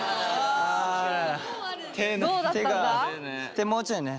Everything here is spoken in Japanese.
手もうちょいね。